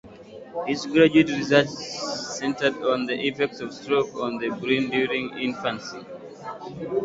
His graduate research centered on the effects of stroke on the brain during infancy.